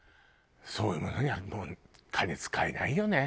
そういうものにはもう金使えないよね。